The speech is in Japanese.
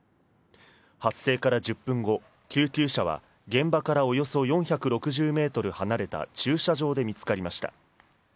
発生から１０分後、救急車は現場からおよそ４６０メートル離れた駐車場で見つかりま